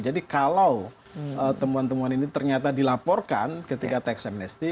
jadi kalau temuan teman ini ternyata dilaporkan ketika tax amnesty